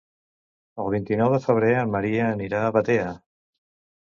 El vint-i-nou de febrer en Maria anirà a Batea.